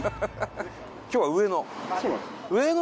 今日は上野。